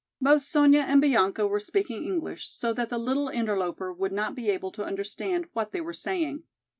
Both Sonya and Bianca were speaking English so that the little interloper would not be able to understand what they were saying.